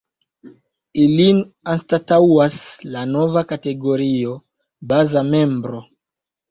Ilin anstataŭas la nova kategorio ”baza membro”.